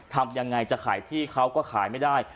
ทำยังไงจะขายที่เขาก็ขายไม่ได้